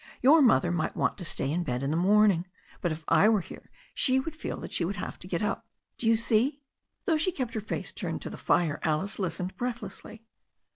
Your mother might want to stay in bed in the morning, but if I were here she would feel she would have to get up. Do you see?" Though she kept her face turned to the fire, Alice listened breathlessly.